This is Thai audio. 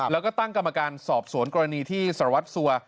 แล้วก็ตั้งกรรมการสอบสวนกรณีที่สารวัตรสัว